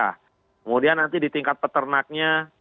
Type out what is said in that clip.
kemudian nanti di tingkat peternaknya